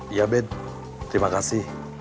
iya ben terima kasih